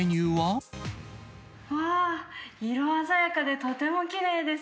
色鮮やかでとてもきれいです。